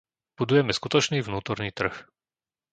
Budujeme skutočný vnútorný trh.